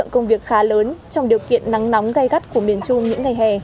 công việc khá lớn trong điều kiện nắng nóng gai gắt của miền trung những ngày hè